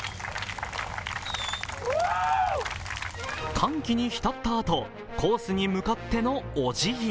歓喜にひたったあと、コースに向かってのおじぎ。